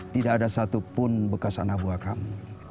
tidak ada satupun bekas anak buah kami